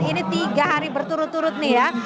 ini tiga hari berturut turut nih ya